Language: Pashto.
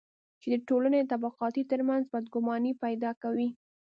چې د ټولنې د طبقاتو ترمنځ بدګماني پیدا کوي.